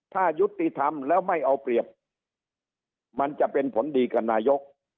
ถ้ายุติธรรมแล้วไม่เอาเปรียบมันจะเป็นผลดีกับนายก